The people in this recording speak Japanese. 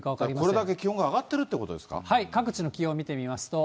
これだけ気温が上がってるってこ各地の気温見てみますと。